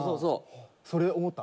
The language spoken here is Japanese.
それ思った。